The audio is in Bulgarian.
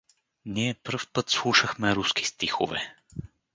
Ние пръв път слушахме руски стихове.